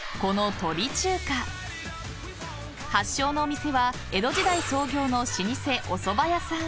［発祥のお店は江戸時代創業の老舗おそば屋さん］